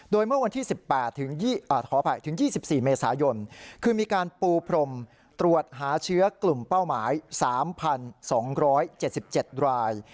โดยเมื่อวันที่๑๘ขออภัยถึง๒๔เมษายนคือมีการปูพรมตรวจหาเชื้อกลุ่มเป้าหมาย๓๒๗๗ราย